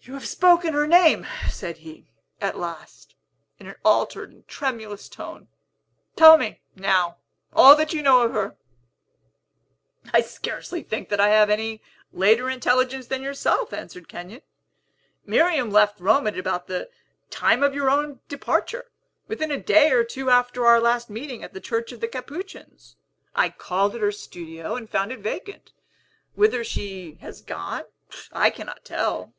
"You have spoken her name," said he, at last, in an altered and tremulous tone; "tell me, now, all that you know of her." "I scarcely think that I have any later intelligence than yourself," answered Kenyon; "Miriam left Rome at about the time of your own departure. Within a day or two after our last meeting at the Church of the Capuchins, I called at her studio and found it vacant. Whither she has gone, I cannot tell."